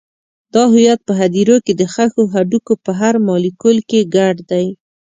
دا هویت په هدیرو کې د ښخو هډوکو په هر مالیکول کې ګډ دی.